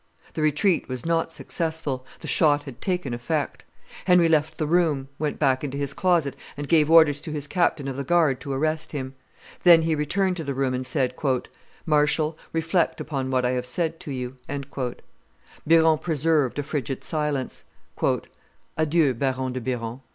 The retreat was not successful; the shot had taken effect; Henry left the room, went back into his closet, and gave orders to his captain of the guard to arrest him. Then he returned to the room and said, "Marshal, reflect upon what I have said to you." Biron preserved a frigid silence. "Adieu, Baron de Biron!"